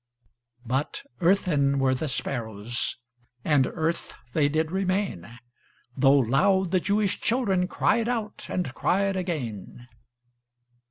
But earthen were the sparrows, And earth they did remain, Though loud the Jewish children Cried out, and cried again.